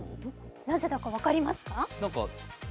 なぜだか分かりますか？